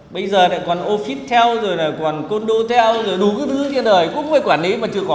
bây giờ còn office theo rồi còn condo theo rồi đủ cái thứ trên đời cũng phải quản lý mà chưa có